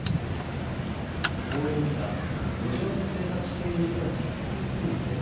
公園には路上で生活している人たちが複数いて